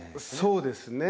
そうですね。